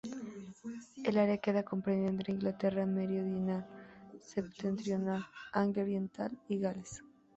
El área queda comprendida entre Inglaterra meridional, septentrional, Anglia Oriental y Gales.